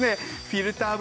フィルター